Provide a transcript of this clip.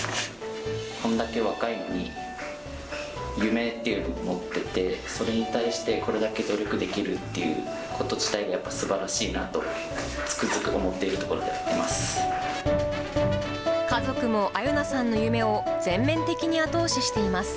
こんだけ若いのに、夢っていうのを持ってて、それに対して、これだけ努力できるっていうこと自体が、やっぱりすばらしいなと、つくづく思っているところであります。